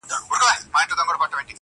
o نه ،نه محبوبي زما.